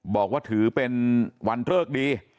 บอกว่าถือเป็นวันเลิกดี